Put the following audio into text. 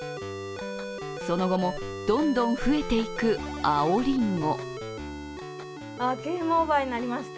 その後もどんどん増えていく青りんご。